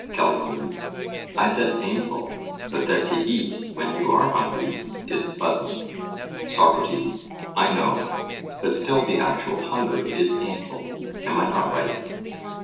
CALLICLES: I said painful, but that to eat when you are hungry is pleasant. SOCRATES: I know; but still the actual hunger is painful: am I not right?